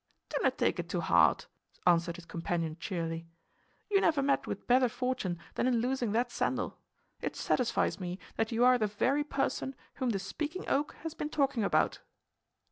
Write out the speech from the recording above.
"Do not take it to heart," answered his companion cheerily. "You never met with better fortune than in losing that sandal. It satisfies me that you are the very person whom the Speaking Oak has been talking about."